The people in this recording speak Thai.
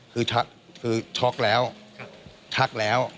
คือช็อกแล้วชักแล้ว